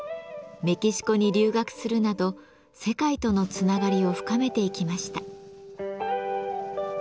メキシコに留学するなど世界とのつながりを深めていきました。